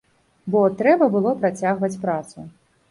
Бо трэба было працягваць працу.